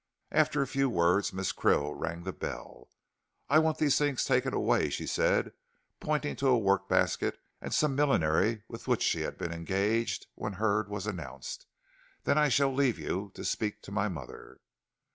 After a few words Miss Krill rang the bell. "I want these things taken away," she said, pointing to a workbasket and some millinery with which she had been engaged when Hurd was announced, "then I shall leave you to speak to my mother."